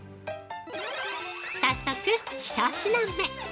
早速１品目。